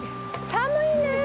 寒いねえ。